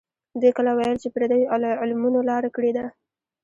دوی کله ویل چې پردیو علمونو لاره کړې ده.